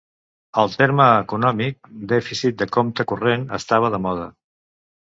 El terme econòmic "dèficit de compte corrent" estava de moda.